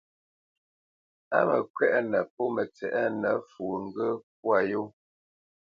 Á mǝkwɛʼnǝ po mǝtsɛʼnǝ fwo ghǝ̌ pwǎ yó.